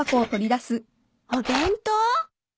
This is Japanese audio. お弁当？